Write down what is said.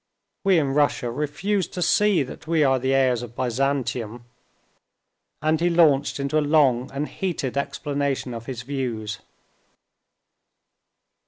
We in Russia refuse to see that we are the heirs of Byzantium," and he launched into a long and heated explanation of his views.